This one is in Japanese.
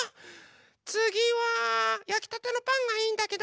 つぎはやきたてのパンがいいんだけど。